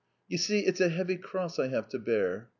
" You see it's a heavy cross I have to bear